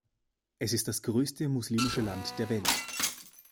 Es ist das größte muslimische Land der Welt.